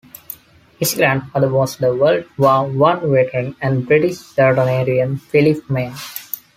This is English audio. His grandfather was the World War One veteran and British centenarian Philip Mayne.